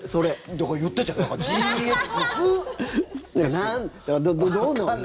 だから言ってるじゃないですか。